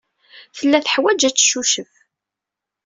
Tella teḥwaj ad teccucef.